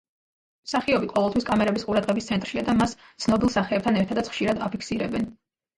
მსახიობი ყოველთვის კამერების ყურადღების ცენტრშია და მას ცნობილ სახეებთან ერთადაც ხშირად აფიქსირებენ.